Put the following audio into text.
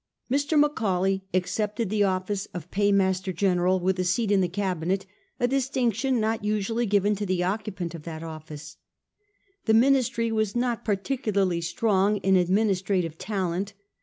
Mr. Macaulay accepted the office of Paymaster General, with a seat in the Cabinet, a distinction not usually given to the occupant of that office. The Ministry was not particularly strong in administrative talent.